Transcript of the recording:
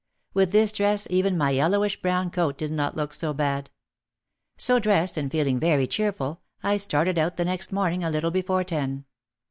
With this dress even my yellowish brown coat did not look so bad. So dressed, and feeling very cheerful, I started out the next morning a little before ten.